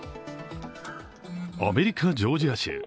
アメリカ・ジョージア州。